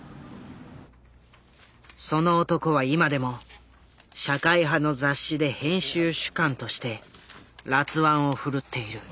その男は今でも社会派の雑誌で編集主幹として辣腕を振るっている。